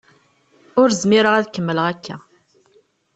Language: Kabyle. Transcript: Ur zmireɣ ad kemmleɣ akka.